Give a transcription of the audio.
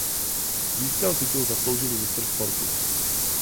Získal titul zasloužilý mistr sportu.